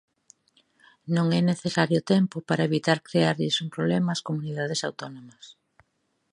Non é necesario tempo para evitar crearlles un problema ás comunidades autónomas.